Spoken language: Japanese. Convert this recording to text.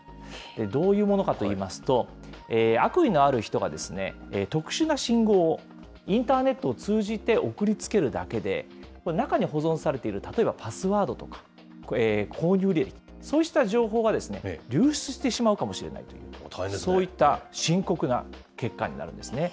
どういうものかといいますと、悪意のある人が特殊な信号を、インターネットを通じて送りつけるだけで、中に保存されている例えばパスワードとか、購入履歴、そうした情報が流出してしまうかもしれないという、そういった深刻な結果になるんですね。